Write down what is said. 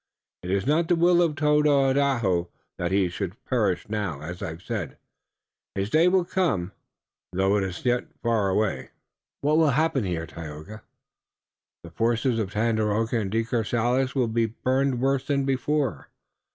It is not the will of Tododaho that he should perish now. As I have said, his day will come, though it is yet far away." "What will happen here, Tayoga?" "The forces of Tandakora and De Courcelles will be burned worse than before.